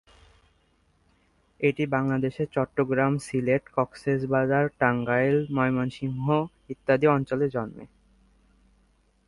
এটি বাংলাদেশের চট্টগ্রাম, সিলেট, কক্সবাজার, টাঙ্গাইল, ময়মনসিংহ ইত্যাদি অঞ্চলে জন্মে।